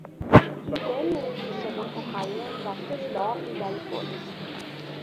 He then moved to southern Ohio and practiced law in Gallipolis.